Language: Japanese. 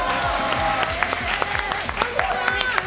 こんにちは。